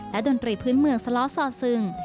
และดนตรีพื้นเมืองสล้อสอสึง